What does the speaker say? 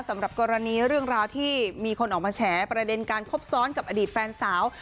สำหรับกรณีเรื่องราวที่มีคนออกมาแฉประเด็นการคบซ้อนกับอดีตแฟนสาว